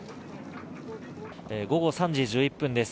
午後３時１１分です。